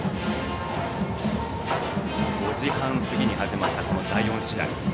５時半過ぎに始まった第４試合。